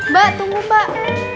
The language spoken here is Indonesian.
mbak tunggu mbak